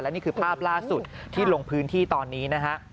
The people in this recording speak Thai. นี่คือภาพล่าสุดที่ลงพื้นที่ตอนนี้นะฮะ